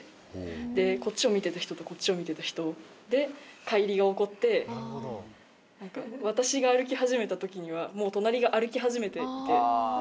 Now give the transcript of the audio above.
で、こっちを見てた人とこっちを見てた人で、かいりが起こって、なんか、私が歩き始めたときには、もう隣が歩き始めていて。